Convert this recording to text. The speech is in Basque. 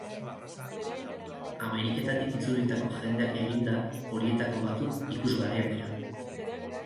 Ameriketatik itzulitako jendeak eginda, horietako batzuk ikusgarriak dira.